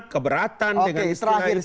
keberatan dengan istilah itu